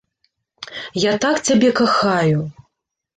Я так цябе кахаю.